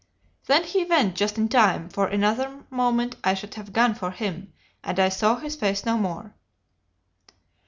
"Then he went just in time, for in another moment I should have gone for him, and I saw his face no more.